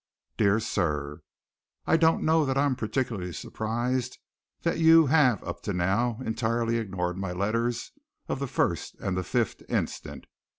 "DEAR SIR, "I don't know that I am particularly surprised that you have up to now entirely ignored my letters of the 1st and the 5th instant.